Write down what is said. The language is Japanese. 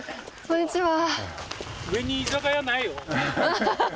こんにちは。